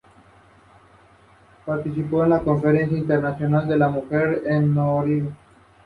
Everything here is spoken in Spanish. Participó en la Conferencia Internacional de la Mujer, en Nairobi.